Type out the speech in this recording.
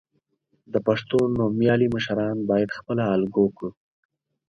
د پښتو نومیالي مشران باید خپله الګو کړو.